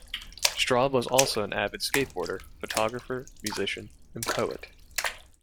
Straub was also an avid skateboarder, photographer, musician, and poet.